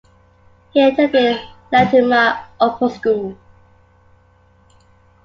He attended Latymer Upper School.